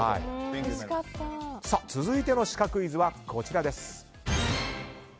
続いてのシカクイズはこちら。